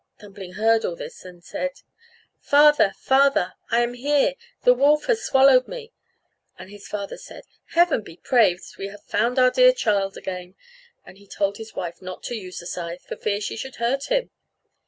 Thumbling heard all this, and said, "Father, father! I am here; the wolf has swallowed me;" and his father said, "Heaven be praised! we have found our dear child again;" and he told his wife not to use the scythe, for fear she should hurt him.